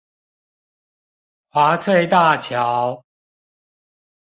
華翠大橋